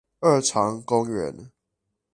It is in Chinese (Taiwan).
二常公園